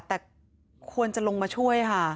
แต่ควรจะลงมาช่วยค่ะ